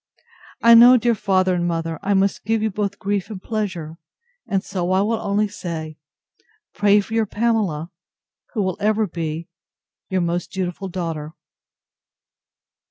I know, dear father and mother, I must give you both grief and pleasure; and so I will only say, Pray for your Pamela; who will ever be Your most dutiful DAUGHTER.